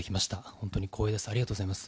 本当に光栄です。